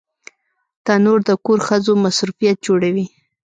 تنور د کور ښځو مصروفیت جوړوي